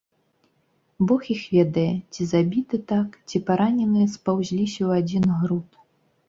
Бог іх ведае, ці забіты так, ці параненыя спаўзліся ў адзін груд.